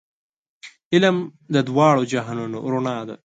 علم د دواړو جهانونو رڼا ده.